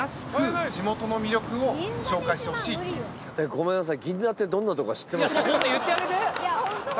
ごめんなさい。